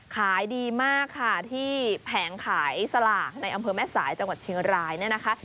ขายดีมากค่ะที่แผงขายสลากในอำเภอแม่สายจังหวัดเชียงรายเนี่ยนะคะ